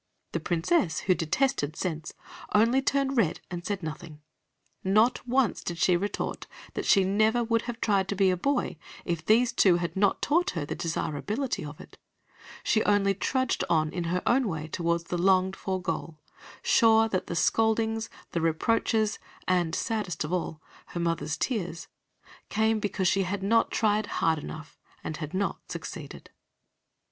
the Princess, who detested scents, only turned red and said nothing. Not once did she retort that she never would have tried to be a boy if these two had not taught her the desirability of it; she only trudged on in her own way toward the longed for goal, sure that the scoldings, the reproaches, and, saddest of all, her mother's tears, came because she had not tried hard enough and had not succeeded.